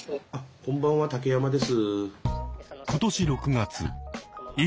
こんばんは竹山です。